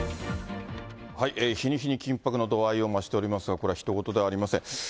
日に日に緊迫の度合いを増しておりますが、これはひと事ではありません。